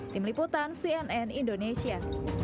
tim liputan cnn indonesia